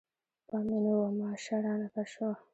پام مې نه و، ماشه رانه کش شوه.